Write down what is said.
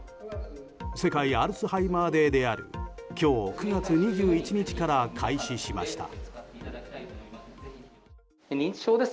世界アルツハイマーデーである今日９月２１日から開始しました。